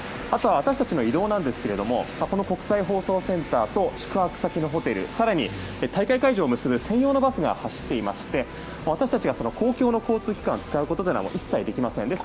また、私たちの移動なんですがこの国際放送センターと宿泊先のホテル大会会場を結ぶ専用のバスが走っていまして私たちが公共の交通機関を使うことは一切できません。